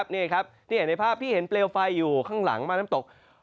นี่ครับในภาพที่เห็นเปลวไฟอยู่ข้างหลังมาน้ำตก